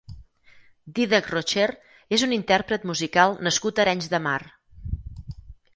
Dídac Rocher és un intérpret musical nascut a Arenys de Mar.